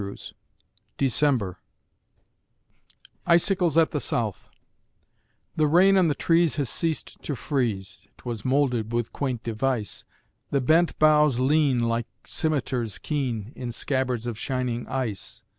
1864_ December ICICLES AT THE SOUTH The rain on the trees has ceased to freeze; ('Twas molded with quaint device) The bent boughs lean, like cimeters keen, In scabbards of shining ice.